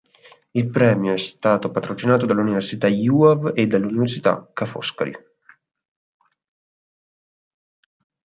Il premio è stato patrocinato dall'Università Iuav e dall'Università Ca' Foscari.